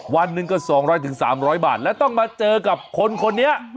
วันนึงก็สองร้อยถึงสามร้อยบาทแล้วต้องมาเจอกับคนเนี่ย